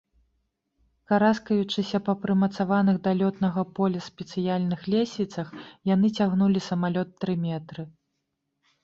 Караскаючыся па прымацаваных да лётнага поля спецыяльных лесвіцах, яны цягнулі самалёт тры метры.